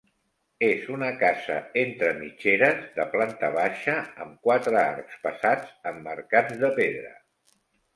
És una casa entre mitgeres, de planta baixa amb quatre arcs passats emmarcats de pedra.